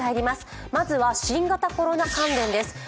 まずは新型コロナ関連です。